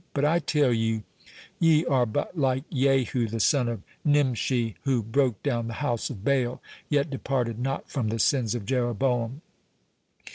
But I tell you, ye are but like Jehu the son of Nimshi, who broke down the house of Baal, yet departed not from the sins of Jeroboam.